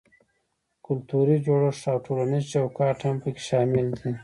کلتوري جوړښت او ټولنیز چوکاټ هم پکې شامل دي.